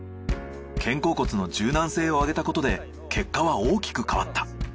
肩甲骨の柔軟性を上げたことで結果は大きく変わった。